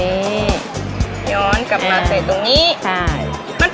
พี่ดาขายดอกบัวมาตั้งแต่อายุ๑๐กว่าขวบ